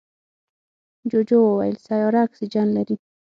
جوجو وویل سیاره اکسیجن لري.